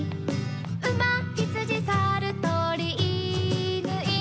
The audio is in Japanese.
「うまひつじさるとりいぬい！」